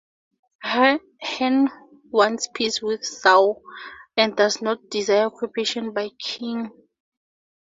Han wants peace with Zhao and does not desire occupation by Qin.